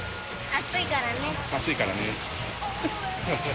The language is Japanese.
暑いからね。